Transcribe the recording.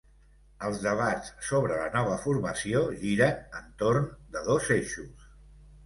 Els debats sobre la nova formació giren entorn de dos eixos.